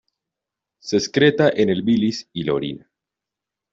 Se excreta en el bilis y la orina.